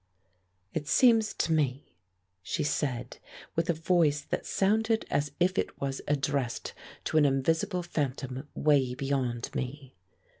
"It seems to me," she said, with a voice that sounded as if it was addressed to an invisible phantom way beyond me.